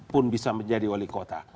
pun bisa menjadi wali kota